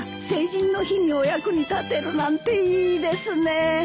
成人の日にお役に立てるなんていいですね。